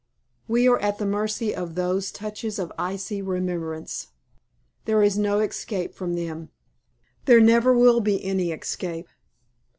We are at the mercy of those touches of icy reminiscence. There is no escape from them. There never will be any escape.